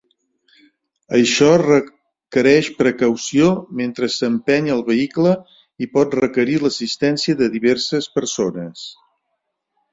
Això requereix precaució mentre s'empeny el vehicle i pot requerir l'assistència de diverses persones.